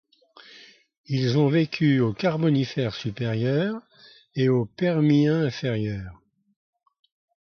Ils ont vécu au Carbonifère supérieur et au Permien inférieur.